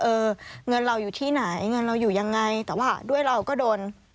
เออเงินเราอยู่ที่ไหนเงินเราอยู่ยังไงแต่ว่าด้วยเราก็โดน